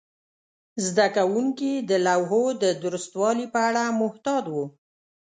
زده کوونکي د لوحو د درستوالي په اړه محتاط وو.